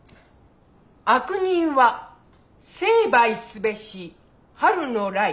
「悪人は成敗すべし春の雷」。